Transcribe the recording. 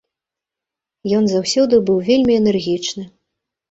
Ён заўсёды быў вельмі энергічны.